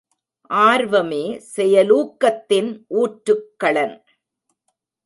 ஆர்வமே செயலூக்கத்தின் ஊற்றுக் களன்.